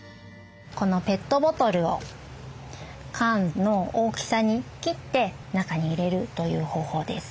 このペットボトルを缶の大きさに切って中に入れるという方法です。